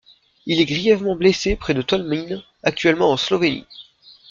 Il est grièvement blessé près de Tolmin, actuellement en Slovénie.